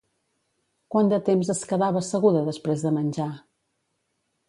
Quant de temps es quedava asseguda després de menjar?